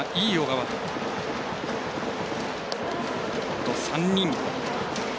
あと３人。